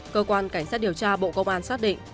cơ quan cảnh sát điều tra bộ công an xác định